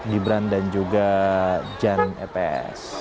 gibran dan juga jan etes